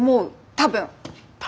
多分！？